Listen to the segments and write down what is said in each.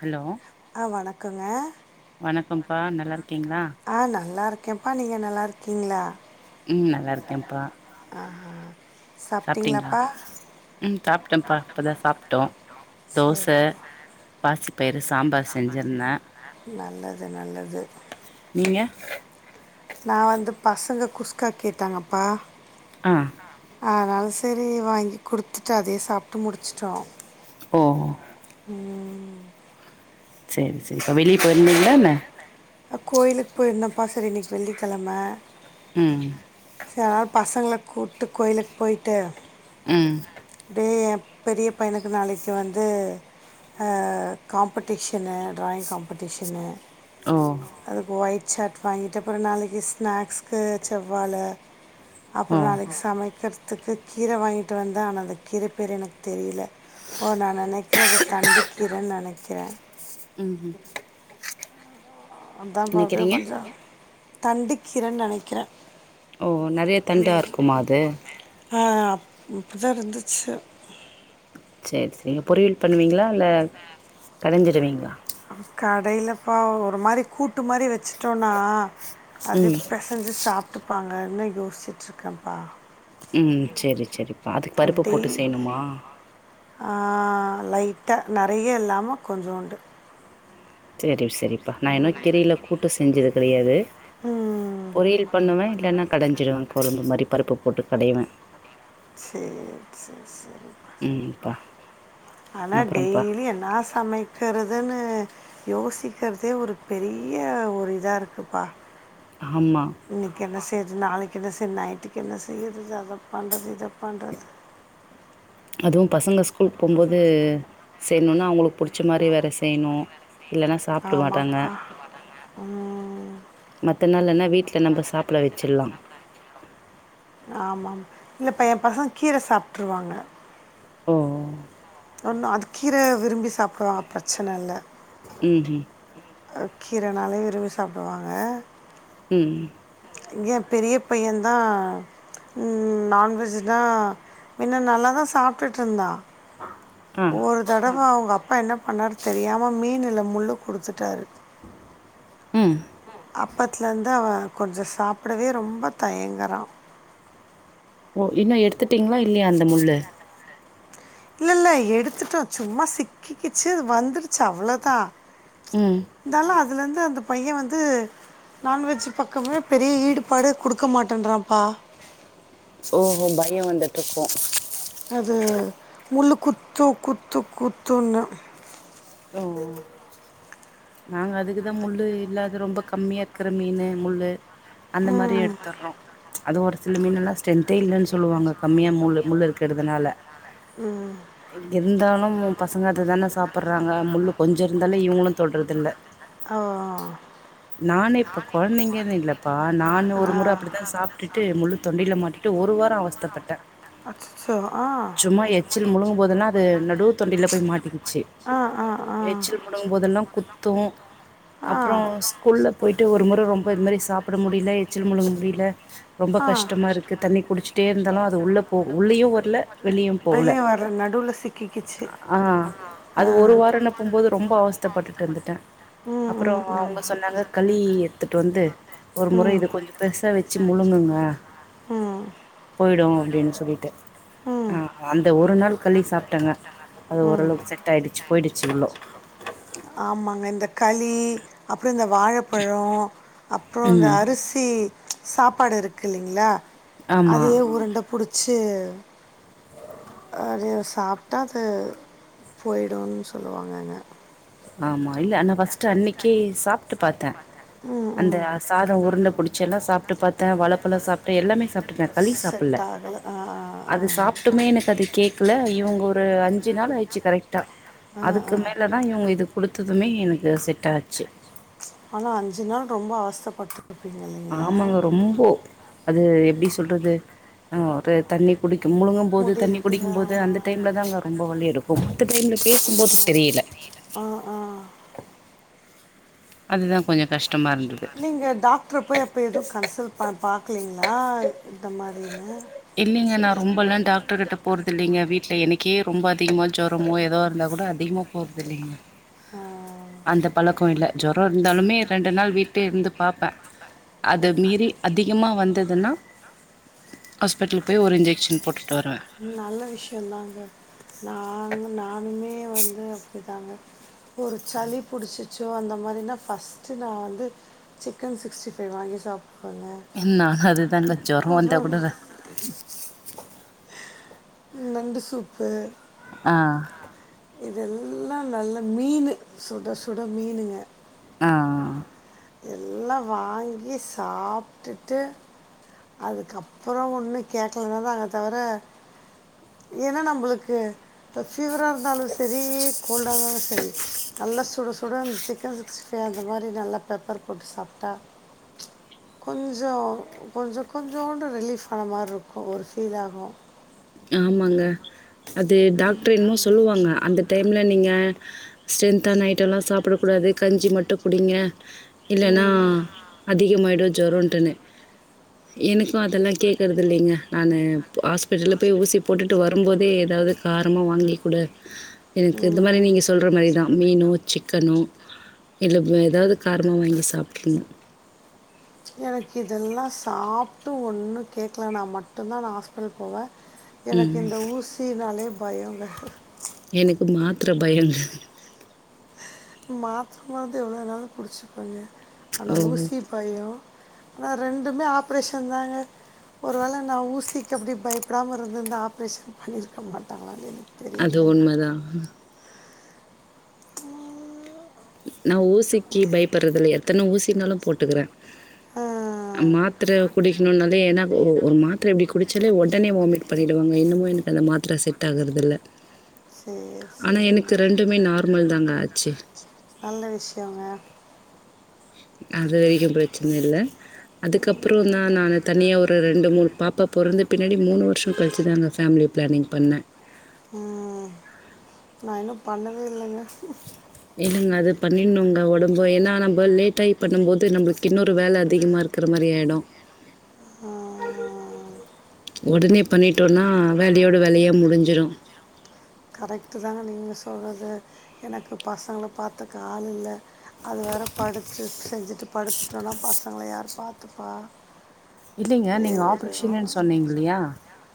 Hello ஆ வணக்கங்க வணக்கம்ப்பா நல்லா இரு ஆ நல்லா இருக்கேன்ப்பா நீங்க நல்லா இருக்கீங்களா நல்லா இருக்கேப்பா ஆ சாப்பிட்டீங்களா உம் சாப்பிட்டோப்பா இப்பதா சாப்பிட்டோ தோசை சரிப்பா பாசி பயிறு சாம்பார் செஞ்சிருந்தே நல்லது நல்லது [inaudible] நான் வந்து பசங்க குஸ்கா கேட்டாங்கப்பா ஆ அதனாலு சரி வாங்கி கொடுத்துட்டு அதே சாப்பிட்டு முடிச்சுட்டோ ஓ ம் சரி சரி இப்பா வெளியே போயிருந்தீங்களா என்ன அ கோயிலுக்கு போயிருந்தப்பா சரி இன்னைக்கு வெள்ளிக்கிழமை ம் பசங்களை கூப்பிட்டு கோயிலுக்கு போயிட்டு ம் எ ஏ பெரிய பையனுக்கு நாளைக்கு வந்து காம்படிஷனு டிராயிங் காம்படிஷனு ஓ அதுக்கு ஒய்ட் சட் வாங்கிட்ட அப்ற நாளைக்கு ஸ்நாக்ஸ்கு செவ்வாழ அப்புற ஓ நாளைக்கு சமைக்கத்துக்கு கீரை வாங்கிட்டு வந்த ஆன அந்த கிற பேர் எனக்கு தெரியல ஓ நான் நினைக்கிறத தண்டிக்கீறேன்னு நினைக்கிறே ம் ம் அதா பா அப்டியே கொஞ்ச தண்டிக்கீறேன்னு நினைக்கிறே ஓ நிறைய தண்டா இருக்குமா அது அப் இப்போதா இருந்துச்சு சரி சரிங்க பொரியீல் பண்ணுவீங்களா இல்ல கடைஞ்சிடுவீங்களா கடையிலப்பா ஒரு மாரி கூட்டு மாரி வச்சு இ்டோம்னா அது ம் பசைஞ்சு சாப்பிட்டுப்பாங்கன்னு யோசிச்சுட்டு இருக்கேப்பா ம் சரி சரிப்பா அதுக்கு பருப்பு போட்டு செய்யணுமா அ லைட்டா நிறைய இல்லாம கொஞ்சூண்டு சரி சரிப்பா நான் இன்னும் கீரையில கூட்டு செஞ்சது கிடையாது ம், பொரியல் பண்ணுவே இல்லைன்னா கடைஞ்சிடுவே குழம்பு மாதிரி பருப்பு போட்டு கடைவே சரி சரி சரிப்பா ம்ப்பா ப்பா ஆனா அப்புறம்ப்பா டெய்லி என்னா சமைக்கிறதுன்னு யோசிக்கிறதே ஒரு பெரிய ஒரு இதா இருக்குப்பா ஆமாம் இன்னைக்கு என்ன செய் நாலைக்கு என செ நைட்டுகு என செய்யறது அத பண்றத இதா பண்துத அதுவும் பசங்க ஸ்கூலு போகும்போது செய்யணும்னா அவங்களுக்கு பிடிச்ச மாதிரி வேற செய்யணு இல்லன்னா சாப்ட்டல மாட்டாங்க ஆமாப்பா ம், மத்த நாள்லனா வீட்ல த்த நம்ப சாப்பட வெச்சிர்லாம் ஆமாமா இல்லப்ப என் பசங்க கீர சாப்ட்டுருவாங்க ஓ ஒன்னு அது கீர விரும்பி சாப்ட்டுருவா பிரச்சனல்ல ம் ம் அ கீரனாலே விரும்பி சாப்பிடுவாங்க ம் ம் ஏ பெரிய பையே தா ம் நான்வெஜ்னா மின்ன நல்லா தா சாப்பிட்டுட்டு இருந்தா ஆ ஒரு தடவ அவுங்க அப்பா என்ன பண்ணாரு தெரியாம மீன்ல முள்ளு கொடுத்துட்டாரு ம் அப்பத்துலருந்து அவ கொஞ்சோ சாப்பிடவே ரொம்ப தயங்கறா ஓ இன்னு எடுத்துட்டீங்களா இல்லையா அந்த முள்ளு இல்ல இல்ல எடுத்துட்டோ சும்மா சிக்கிக்கிச்சு வந்துடுச்சு அவ்ளோதா ம் அதுலருந்து அந்த பையே வந்து நான்வெஜ் பக்கமே பெரிய ஈடுபாடு குடுக்க மாட்டேன்றப்பா ஓஹோ பயோ வந்துட்டுருக்கு அது முள்ளு குத்து குத்து குத்துன்னு ஓ நாங்க அதுக்குதா முள்ளு இல்லாத ரொம்ப கம்மியா இருக்கற மீன் முள்ளு அந்த மாரி ம், எடுத்தர்றோ அது ஒரு சில மீனல்லா ஸ்ட்ரென்த்தே இல்லேன்னு சொல்லுவாங்க கம்மியா முள் முள்ளு இருக்கறதுனால ம். இருந்தாலு பசங்க அததான சாப்பர் ங்க முள்ளு கொஞ்சோ இருந்தாலே இவுங்களு சொல்றதில்ல ஓ ஓ ஓ நானே இப்போ கொழந்தைங்கேன்னு இல்லைப்பா நானு ஆ ஒரு மொற அப்பிடிதா சாப்ட்டுட்டு முள்ளு தொண்டையில மாட்டிட் ட்டு ஒரு வாரோ அவஸ்த்தப்பட்ட அச்சோ ஆ சும்மா எச்சில் முழுங்கும் போதுல்லா அது நடு தொண்டையில போய் மாட்டிக்கிச்சு ஆ ஆ ஆ எச்சில் முடங்கும் போதெல்லா குத்து ஆ அப்புறோ ஸ்கூல்ல போயிட்டு ஒரு மொற ரொம்ப அப்ப இது மாரி சாப்பிட முடியல எச்சில் முழுங்க முடியல ரொம்ப ஆ கஷ்டமாருக்கு தண்ணி குடிச்சுட்டே இர் ந்தாலு அது உள்ள போ உள்ளேயு ஒரு ல வெளியு போல வெளியே வர நடுவில் சிக்கிக்கிச்சு ஆ அது ஒரு வாரோன்னு போகும்போது ரொம்ப அவஸ்த்தப்பட்டுட்டு இருந்துட்டே போகும்போது ரொம்ப அவஸ்தப்பட்டுட்டு அப்புறோ இருந்துட்டே அவுங்க சொன்னாங்க களி எடுத்துட்டு வந்து ஒரு போணும்னு சொன்னாங்க மொற இத களி கொஞ்சோ பெருசா வெச்சு முழுங்குங்க ம் போய்ட் டு அப்டின் சொல்லிட்டு ம் அ அந்த ஒரு நாள் களி சாப்பிட்டங்க அது ஓரளவுக்கு செட் போயிடுச்சுள்ளோ ஆமாங்க இந்த களி அப்புறோ இந்த வாழப்பழோ அப்புறோ இந்த ம் அரிசி சாப்பாடு இருக்கில்லைங்ளா ஆமா அதே உருண்ட புடிச்சு அது சாப்பிட்டா அது போயிடுன்னு சொல்லுவாங்கங்க ஆமா இல்ல அந்த ஃபர்ஸ்ட் அன்னைக்கி சாப்ட்டு பாத்த ம் அந்த ம் சாதோ உருண்புடிச்சதா சாப்ட்டு பாத்த வாழப்பழோ சாப்ட்டே எல்லாமே சாப் டுட்டே களி சாப்பல்ல செட் ஆகல ஆ ஆ அது ஆ சாப்ட்டுமே எனக்கு அது கேக்கல இவுங்க ஒரு அஞ்சு நாள் ஆயிடுச்சு கரெக்டா ஆ ஆ அதுக்கு மேலதா இவுங்க இது குடுத்ததுமே எனக்கு செட்டாச்சு ஆனா அஞ்சு நாள் ரொம்ப அவ் ஆமாங்க ரொம்ப அது எப்பிடி சொ சொல்றது அ ஒரு தண்ணி குடிக் கிம்பலுங்கம் போது தண்ணி முடியல குடிக்கும் போது அந்த டைம்ல தா அங்க ரொம்ப வழி இருக்கும் மத்த டைம்ல பேசும்போது தெரியல ஆ ஆ அதுதா கொஞ்ச கஷ்டமா இருந்தது ங்க டாக்டர போய் எப்போ எதுவு கன்சல்ட் பண்ண பாக்கலீங்களா இந்த மாரின்னு இல்லங்க நா ரொம்பல்லா டாக்டர் கிட்ட போறது இல்லைங்க வீட்டுல எனக்கே ரொம்ப அதிகமா ஜொ றமோ ஏதோ இருந்தா கூட அதிகமா போறது இல்லைங்க ம் அந்த பழக்க இல்ல ஜொர இருந்தாலுமே ரெண்டு நாள் வீட்ல இருந்து பாப்பே அத மீறி அதிகமா வந்ததுன்னா ஹாஸ்பிட்டல் போய் ஒரு இன்ஜெக்ஷன் போட் நல்ல விஷயதாங்க நா நானுமே வந்து அப்டிதாங்க ஒரு சளி புடிச்சிச்சோ அந்த மாரினா ஃபர்ஸ்ட்ட் நா வந்து சிக்கன் சிக்ஸ்டி ஃபைவ் வாங்கி சாப் வங்க நானு அதுதாங்க ஜொரோ அப வந்தா கூட நண்டு சூப்பு ஆ இதல்லா நல்ல மீனு சுட சுட மீனுங்க ஆ எல்லா வாங்கி சாப்ட்டுட்டு அதுக்கப்புற ஒண்ணு கேக்லனா தாங்க தவர ஏன்னா நம்மளுக்கு ஃப ஃபீவரா இருந்தாலு சரி கோல்டா இருந்தாலு சரி நல்லா சுட சுட சிக்கன் சிக்ஸ்டி ஃபைவ் அந்த மாரி நல்லா பெப்பர் போட்டு சாப்ட்டா கொஞ்ச கொஞ்ச கொஞ்சோண்டு ரிலீஃப் ஆன மாரி இருக்கு ஒரு ஃபீல் ஆகு ஆமாங்க அது டாக்டர் என்னமோ சொல்லுவாங்க அந்த டைம்ல நீங்க ஸ்ட்ரென்தான ஐட்டம் எல்லா சாப்பிட கூடாது கஞ்சி மட்டு குடிங்க இல்லன்னா ம், அதிகமாயிடு ஜொரொன்டுனு எனக்கு அதெல்லா கேக்குறது இல்லங்க நானு ஹாஸ்பி போய் ஊசி போட்டுட்டு வரும்போதே ஏதாது காரமா வாங்கி கூட எனக்கு இந்த மாரி ம். நீங்க சொல்ற மாரிதா மீனோ சிக்கனோ இல்ல ஏதாது காரமா வாங்கி சாப்பிட்டுறணு எனக்கு இதெல்லா சாப்ட்டு ஒன்னு கேக்கலனா மட்டுந்தா நா ஹாஸ்பிட்டல் போவ எனக்கு ம். இந்த ஊசினாலே பயொங்க எனக்கு மாத்திர பயங்க மாத்திரை நாவுது எவ்வள நாளு குடிச்சுபங்க ஆனா ஓ! ஊசி பய ஆனா ரெண்டுமே ஆப்ரேஷ தாங்க ஒரு வேள நா ஊசிக்கு அப்படி பயப்படாம இருந்து இந்தா ஆப்ரேஷன் பண்ணிருக்க மாட்டாங்களான்னு அது தெரியல உண்மதா ம் நா ஊசிக்கு பயப்படுறது இல்ல எத்தனை ஊசினாலும் போட்டுக்கற ஆ, மாத்திர குடிக்கணுனாலே ஏன்னா ஒரு மாத்திரை இப்படி குடிச்சாலே உடனே வாமிட் பண்ணிடுவாங்க என்னமோ எனக்கு அந்த மாத்திர செட் ஆகறது இல்ல சரி ஆனா எனக்கு சரிங்க ரெண்டுமே நார்மல் தாங்க ஆச்சு நல்ல விஷயங்க அது வரைக்கு பிரச்சன இல்ல அதுக்கப்புற தா நானு தனியா ஒரு ரெண்டு மூணு பாப்பா பொறந்த பின்னாடி மூணு வருஷ கழிச்சி தாங்க ஃபேமிலி பிளானிங் பண்ண ம் நா இன்னு பண்ணவே இல்லங்க என்னங்க அது பண்ணினுங்க ஒடம்பு ஏன்னா நம்ம லேட்டாகி பண்ணும் போது நம்மளுக்கு இன்னொரு வேலை அதிகமா இருக்கிற மாரி ஆயிடு ஆ, உடனே பண்ணிட்டோனா வேலையோட வேலையா முடிஞ்சிடு கரெக்ட் தாங்க நீங்க சொல்றது எனக்கு பசங்கள பாத்துக்க ஆள் இல்ல அது வேற படுத்து செஞ்சுட்டு படுத்துட்டோனா பசங்கல யார் பாத்துப்பா இல்லைங்க நீங்க ஆபரேஷன்னு சொன்னீங்க இல்லையா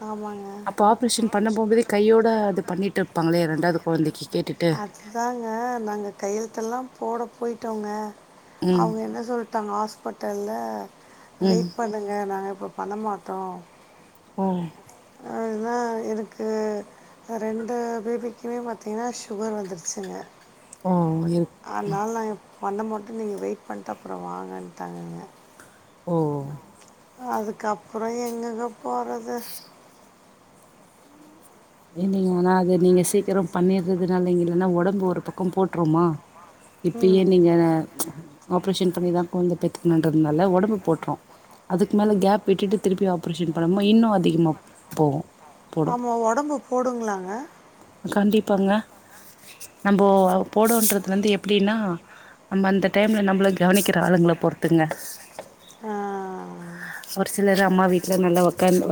ஆமாங்க அப்ப ஆப்ரேஷன் பண்ண போபதே கை ஐோட அது பண்ணிட்டு இருப்பாங்களே இரண்டாவது குழைக்கு அதுதாங்க நாங்க கையெழுத்த எல்லா போட போயிட்டோங்க ம் அவங்க என்ன சொல்லிட்டாங்க ஹாஸ்பிட்டல்ல ம் வெயிட் பண்ணுங்க நாங்க இப்போ பண்ணமாட்டோ ஒ அதுதா எனக்கு ரெண்டு பேபிக்குமே பார்த்தீங்கன்னா சுகர் வந்துருச்சுங்க ஆ இருக்கு ம் வந்த மட்டும் நீங்கள் வெயிட் பண்ண அப்புற வாங்கன்ட்டாங்கங்க ஓ அதுக்கப்புற எங்கங்க போறது இல்ங்க ஆனா அது நீங்க சீக்கிர பண்ணறதுனாலங்க இல்ன்னா உடம்பு ஒரு பக்கம் போட்றுமா இப்பயே ம் நீங்க ஆப்ரேஷன் பண்ணிதா குழந்தை பெத்துக்கணுன்றதுனால உடம்பு போட்டுறு அதுக்கு மேல கேப் விட்டுட்டு திருப்பி ஆப்ரேஷன் பண்ணாம இன்னு அதிகமா போகு ஆமா உடம்பு போடுங்களாங்க கண்டிப்பாங்க நம்ம போடுன்றது வந்து எப்படின்னா நம்ம அந்த டைம்ல நம்மள கவனிக்கிற ஆளுங்களை பொறுத்துங்க ஆ ஒரு சிலர் அம்மா வீட்டுல நல்லா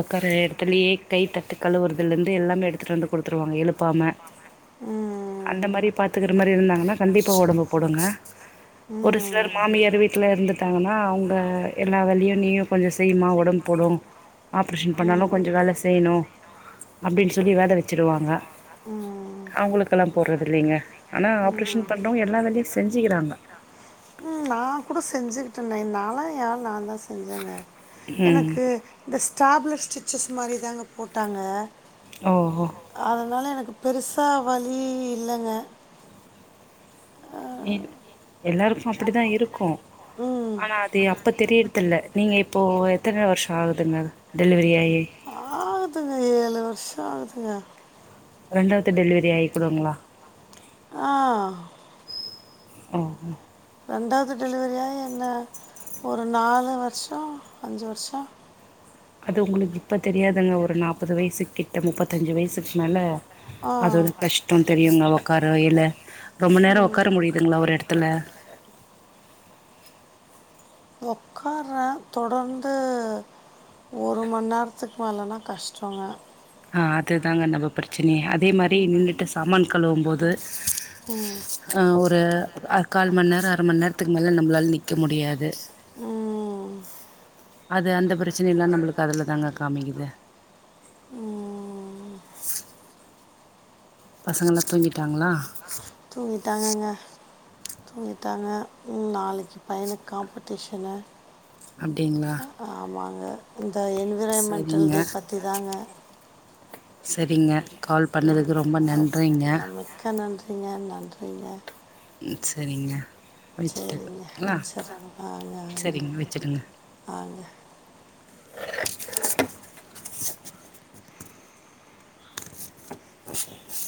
உக்கற இடத்துலயே கை தட்டுக்கலுவாரதுல இருந்து எல்லாமே எடுத்துட்டு வந்து கொடுத் ருவாங்க எழுப்பாம அந்த ம் மாதிரி பாத்துக்கற மாதிரி இருந்தாங்கன்னா கண்டிப்பா உடம்பு போடுங்க ஒரு சிலர் மாமியார் வீட்டுல இருந்துட்டாங்கன்னா அவங்க எல்லா வேலையு நீயும் கொஞ்ச செய்யமா உடம்பு போடும் ஆப்ரேஷன் பண்ணாலு ம் கொஞ்ச வேலை செய்யணு அப்படின்னு சொல்லி வேல வச்ச வச்சிருவாங்க ம் ம் அவங்களுக்கெல்லா போடுறது இல்லைங்க ஆனா ஆப்ரேஷன் பண்றவங்க எல்லா வேலையும் செஞ்சுக்கிறாங்க [inaudible] யா நான் தான் செஞ்சேங்க ம் எனக்கு இந்த ஸ்டேப்லர் ஸ்டிச்சஸ் மாதிரி தாங்க போட்டாங்க ஓ ஓ அதனால் எனக்கு பெருசா வழி இல்லைங்க எல்லாருக்கு அப்படிதா இருக்கு ம் ஆனா அது அப்ப தெரியுறது இல் நீங்க இப்போ எத்தனை வருஷ ஆகுதுங்க டெலிவரி ஆயி ஆகுதுங்க ஏழு வரு அது ரெண்டாவது டெலிவரி ஆக குடுங்களா ஆ ஒ ரெண்டாவது டெலிவரியா என்ன ஒரு நாலு வருஷம் அஞ்சு வருஷ அது உங்களுக்கு இப்ப தெரியாதுங்க ஒரு நாற்பது வயசு கிட்ட முப்பத்தஞ்சு வயசுக்கு மேல ஆ அது ஒரு கஷ்டம் தெரியுங்க உ்கார இல ரொம்ப நேரம் உட்கார முடியுதுங்களா ஒரு இடத்துல [inaudible] உட்கார்றேன் தொடர்ந்து ஒரு மணி நேரத்துக்கு மேலலா கஷ்டங்க ஆ அதுதாங்க நம்ம பிரச்சினைய அதே மாதிரி நின்னுட்டு சாமான் கழுவ போது ம் ஆஹ் ஒரு கால் மணி நேரம் அரை மணி நேரத்துக்கு மேல நம்மளால நிந்க முடியாது ம் அது அந்த பிரச்சனை எல்லாம் நம்மளுக்கு அதுல தாங்க காமக்குது ம் பசங்கள்லா தூங்கிட்டாங்களா தூங்கிட்டாங்கங்க தூங்கிட்டாங்க ம் நாளைக்கு பையனுக் காம்ப்படீஷனு அப்டிங்களா ஆ ஆமாங்க இப்ப என்விராய்ன்மெண்ட்டல் டே பத்தி தாங்க சரிங்க கால் பண்ணதுக்கு ரொம்ப நன்றிங்க நமக்கா நன்றிங்க நன்றிங்க சரிங்க சரிங்க வச்சுட்டுங்களா வச்சிடுறேங்க ஆங்க ஆங்க சரிங்க வச்சுடுங்க ஆங்க சரி